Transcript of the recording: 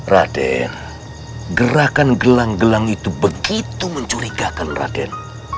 raden gerakan gelang gelang itu begitu mencurigakan raden